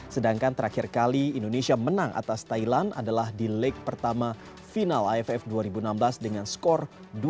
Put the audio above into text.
sedangkan terakhir kali indonesia menang atas thailand adalah di leg pertama final aff dua ribu enam belas dengan skor dua